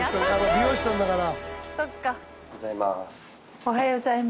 美容師さんだから。